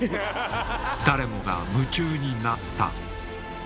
誰もが夢中になった。